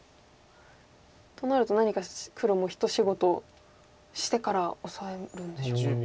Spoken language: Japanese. となると何か黒も一仕事してからオサえるんでしょうか。